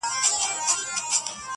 غوړه مال کړي ژوند تباه د انسانانو!.